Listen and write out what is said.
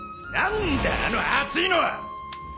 何だあの熱いのは！